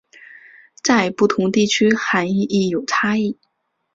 在不同地区涵义亦有差异。